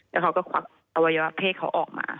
แล้วเขาก็ควักอวัยวะเพศเขาออกมา